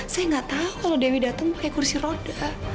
saya nggak tahu kalo dewi dateng pake kursi roda